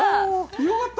よかった！